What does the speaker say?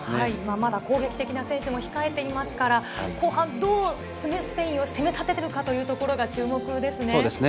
まだ攻撃的な選手も控えていますから、後半、どうスペインを攻め立てるかというところも注目ですね。